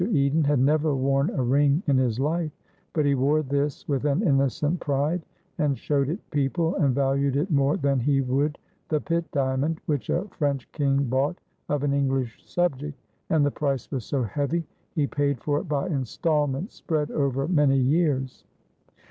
Eden had never worn a ring in his life, but he wore this with an innocent pride, and showed it people, and valued it more than he would the Pitt diamond, which a French king bought of an English subject, and the price was so heavy he paid for it by installments spread over many years.